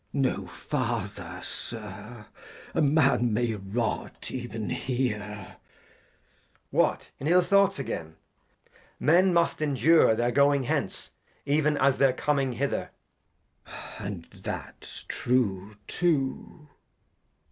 Glost. No farther, Sir, a Man may rot, even here. Edg. What ! In ill Thoughts again ? Men must endure Their going hence, ev'n as their coming hither, i^^^u..^ *».*^/•' Glost. And that's true too.